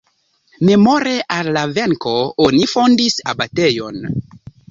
Memore al la venko oni fondis abatejon.